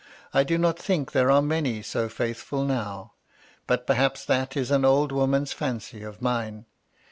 I do not think there are many so faithfiil now; but, perhaps, that is an old woman's fancy of mine.